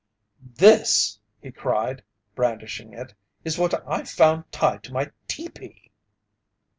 "This," he cried, brandishing it, "is what I found tied to my teepee!"